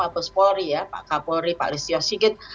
pak polri ya pak polri pak listio sigit